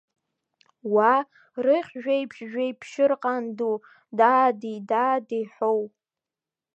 Уа, рыхь-Жәеиԥшь Жәеиԥшьырҟан ду, даади, даади, ҳуооу!